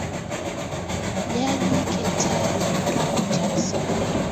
jaji Ketanji Brown Jackson